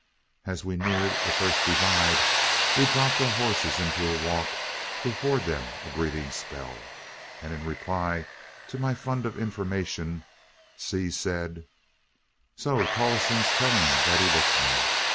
As we neared the first divide, we dropped our horses into a walk to afford them a breathing spell, and in reply to my fund of information, Seay said: "So Tolleston's telling that he licked me.